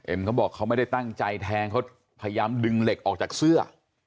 เขาบอกเขาไม่ได้ตั้งใจแทงเขาพยายามดึงเหล็กออกจากเสื้อ